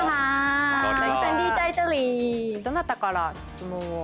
どなたから質問を。